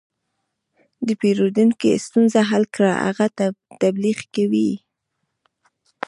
د پیرودونکي ستونزه حل کړه، هغه تبلیغ کوي.